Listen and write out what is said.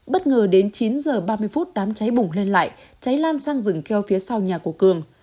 bất ngờ đến chín h ba mươi phút đám cháy bùng lên lại cháy lan sang rừng keo phía sau nhà của cường